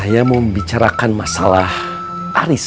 maya di sini tiba bernard ke atas bus nya menangis